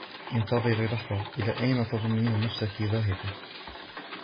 انتظري لحظة، إلى أين تظنّين نفسكِ ذاهبةً؟